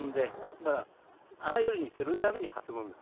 だから赤い色にするために葉を摘むんです。